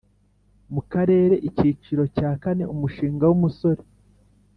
mu karere icyiciro cya kane Umushinga w umusore